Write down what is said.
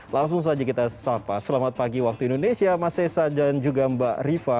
langsung saja kita sapa selamat pagi waktu indonesia mas sesa dan juga mbak rifa